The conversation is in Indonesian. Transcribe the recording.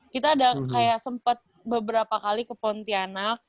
kita ada kayak sempat beberapa kali ke pontianak